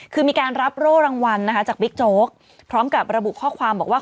คือมีการรับโร่รางวัลนะคะจากบิ๊กโจ๊กพร้อมกับระบุข้อความบอกว่า